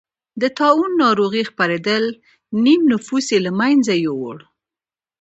د طاعون ناروغۍ خپرېدل نییم نفوس یې له منځه یووړ.